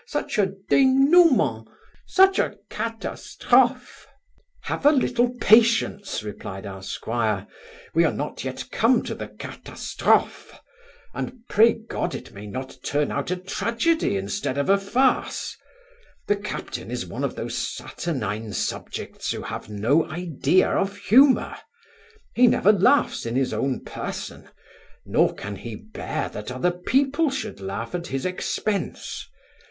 such a denouement! such a catastrophe!' 'Have a little patience (replied our 'squire); we are not yet come to the catastrophe; and pray God it may not turn out a tragedy instead of a farce. The captain is one of those saturnine subjects, who have no idea of humour. He never laughs in his own person; nor can he bear that other people should laugh at his expence.